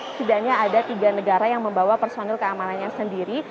setidaknya ada tiga negara yang membawa personil keamanannya sendiri